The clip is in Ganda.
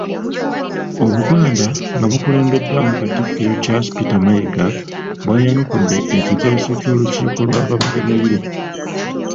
Obuganda nga bukulembeddwamu Katikkiro Charles Peter Mayiga bwayanukudde ekiteeso ky'olukiiko lwa Bamugemereire.